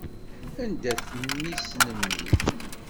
Anda-t mmi-s n mmi-k?